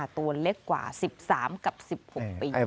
ตัวเล็กกว่า๑๓กับ๑๖ปี